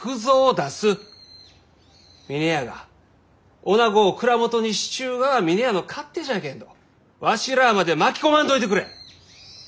峰屋がおなごを蔵元にしちゅうがは峰屋の勝手じゃけんどわしらまで巻き込まんといてくれ！